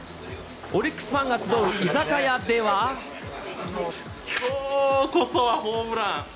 オリックスファンが集う居酒屋できょうこそはホームラン。